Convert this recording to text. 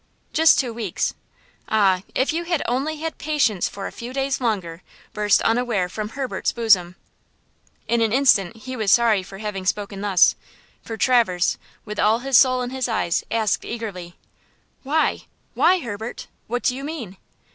"Just two weeks." "Ah! if you had only had patience for a few days longer!" burst unaware from Herbert's bosom. In an instant he was sorry for having spoken thus, for Traverse, with all his soul in his eyes, asked eagerly: "Why–why, Herbert? What do you mean?"